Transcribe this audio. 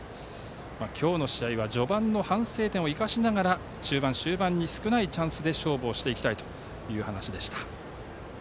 今日の試合は序盤の反省点を生かしながら中盤、終盤に少ないチャンスで勝負をしていきたいという話でした。